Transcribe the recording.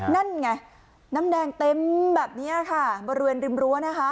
นั่นไงน้ำแดงเต็มแบบนี้ค่ะบริเวณริมรั้วนะคะ